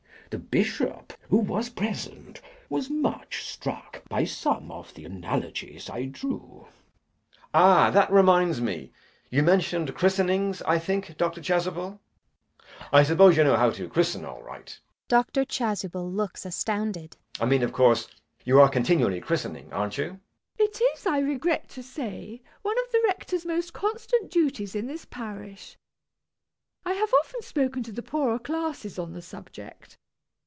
The Bishop, who was present, was much struck by some of the analogies I drew. JACK. Ah! that reminds me, you mentioned christenings I think, Dr. Chasuble? I suppose you know how to christen all right? [Dr. Chasuble looks astounded.] I mean, of course, you are continually christening, aren't you? MISS PRISM. It is, I regret to say, one of the Rector's most constant duties in this parish. I have often spoken to the poorer classes on the subject.